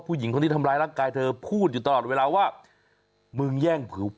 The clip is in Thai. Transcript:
ผู้หญิงคนที่ทำร้ายร่างกายเธอพูดอยู่ตลอดเวลาว่า